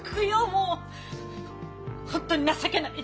もう本当に情けない！